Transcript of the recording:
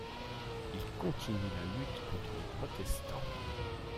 Il continue la lutte contre les protestants.